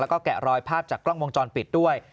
แล้วก็แกะรอยภาพจากกล้องวงจรปิดด้วย